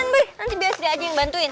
nanti bira sri aja yang bantuin